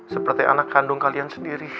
seperti anak kandung kalian sendiri